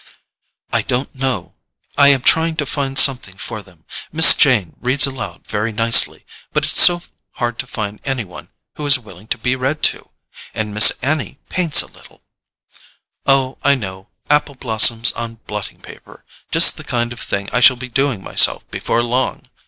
"I don't know—I am trying to find something for them. Miss Jane reads aloud very nicely—but it's so hard to find any one who is willing to be read to. And Miss Annie paints a little——" "Oh, I know—apple blossoms on blotting paper; just the kind of thing I shall be doing myself before long!"